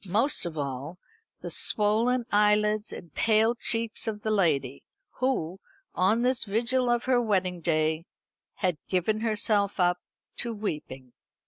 Most of all, the swollen eyelids and pale cheeks of the lady, who, on this vigil of her wedding day, had given herself up to weeping.